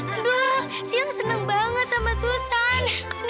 aduh siang senang banget sama susan